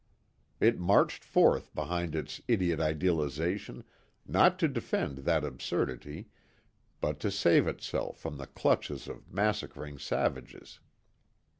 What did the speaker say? It marched forth behind its idiot Idealization not to defend that absurdity but to save itself from the clutches of massacring savages.